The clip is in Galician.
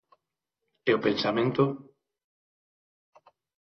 E o pensamento.